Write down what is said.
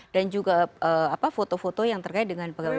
dan juga apa foto foto yang terkait dengan pegawai pln